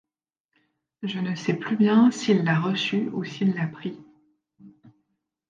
Je ne sais plus bien s'il la reçut ou s'il la prit.